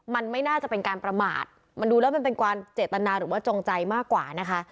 มันไม่น่าจะเป็นการประมาทมันดูแล้วมันเป็นความเจตนาหรือว่าจงใจมากกว่านะคะ